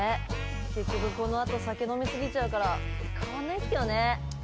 結局このあと酒飲み過ぎちゃうから変わんないんすけどね。